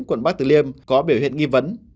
quận bắc từ liêm có biểu hiện nghi vấn